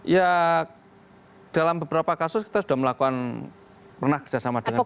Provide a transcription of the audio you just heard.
ya dalam beberapa kasus kita sudah melakukan pernah kerjasama dengan kpk